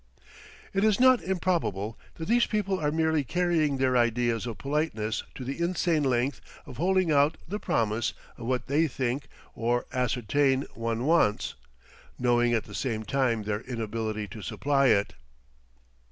It is not improbable that these people are merely carrying their ideas of politeness to the insane length of holding out the promise of what they think or ascertain one wants, knowing at the same time their inability to supply it.